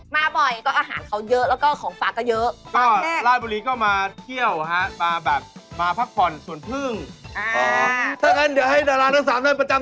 มาบ่อยก็อาหารเขาเยอะแล้วก็ของฝากก็เยอะ